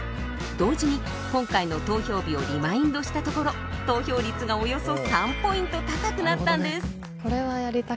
同時に今回の投票日をリマインドしたところ投票率がおよそ３ポイント高くなったんです。